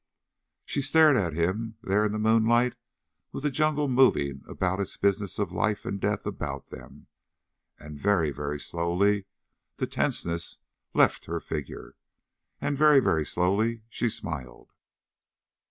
She stared at him, there in the moonlight with the jungle moving about its business of life and death about them. And very, very slowly the tenseness left her figure. And very, very slowly she smiled.